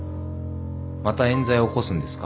また冤罪を起こすんですか？